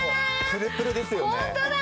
プルプルですよね。